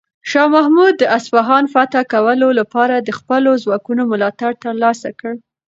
شاه محمود د اصفهان فتح کولو لپاره د خپلو ځواکونو ملاتړ ترلاسه کړ.